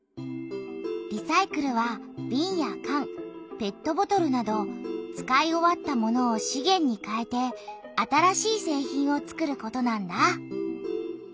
リサイクルはびんやかんペットボトルなど使い終わったものを「資源」にかえて新しい製品を作ることなんだ。